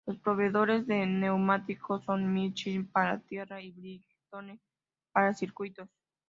Los proveedores de neumáticos son Michelin para tierra y Bridgestone para circuitos.